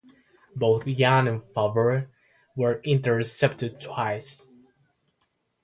Both Young and Favre were intercepted twice.